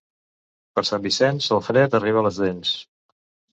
Per Sant Vicenç el fred arriba a les dents.